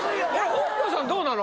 北斗さんどうなの？